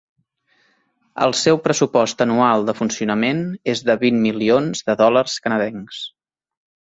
El seu pressupost anual de funcionament és de vint milions de dòlars canadencs.